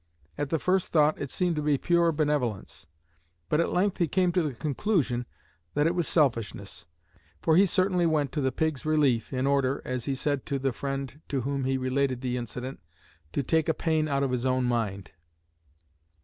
At the first thought it seemed to be pure benevolence; but at length he came to the conclusion that it was selfishness, for he certainly went to the pig's relief in order (as he said to the friend to whom he related the incident) to 'take a pain out of his own mind.'"